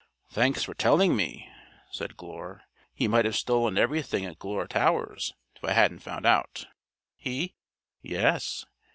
"Thanks for telling me," said Glure. "He might have stolen everything at Glure Towers if I hadn't found out. He " "Yes.